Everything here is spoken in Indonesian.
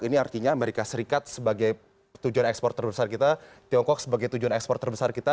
ini artinya amerika serikat sebagai tujuan ekspor terbesar kita tiongkok sebagai tujuan ekspor terbesar kita